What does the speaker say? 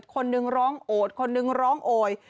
คนนึงร้องโอดคนนึงร้องโอย